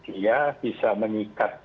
dia bisa meningkat